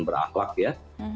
berdasarkan isn berakhlak ya